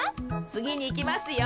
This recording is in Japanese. つぎにいきますよ。